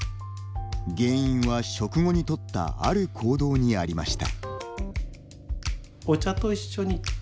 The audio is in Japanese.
原因は、食後にとったある行動にありました。